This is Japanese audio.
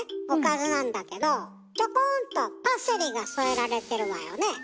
おかずなんだけどちょこんとパセリが添えられてるわよね？